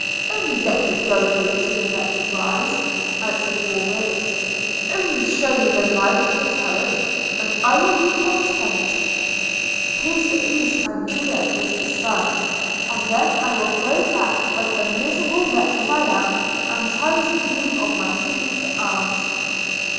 'Only let me go with you to the next rise,' answered Warwick; 'only shew me the light from the turret, and I will be content: 'It is the East – and Juliet is the Sun!' And then I will go back like a miserable wretch as I am, and try to dream of my future aunt.'